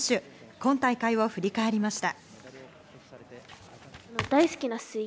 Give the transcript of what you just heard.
今大会を振り返りました。